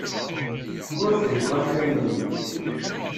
Ur fhimeɣ afrayen-inu.